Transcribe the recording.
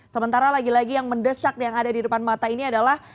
sementara lagi lagi yang mendesak yang ada di depan mata ini adalah